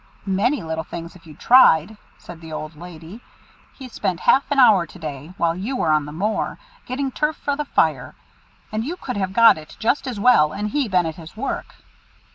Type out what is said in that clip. "Many little things, if you tried," said the old lady. "He spent half an hour to day, while you were on the moor, getting turf for the fire, and you could have got it just as well, and he been at his work."